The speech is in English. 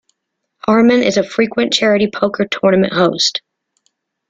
Harman is a frequent charity poker tournament host.